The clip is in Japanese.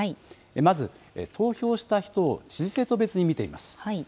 まず投票した人を支持政党別に見てみます。